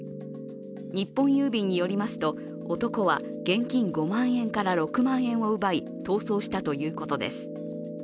日本郵便によりますと男は現金５万円から６万円を奪い逃走したということです。